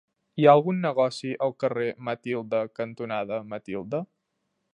Hi ha algun negoci al carrer Matilde cantonada Matilde?